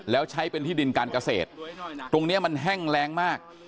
แล้วใช้เป็นที่ดินการเกษตรตรงนี้มันแห้งแรงมาก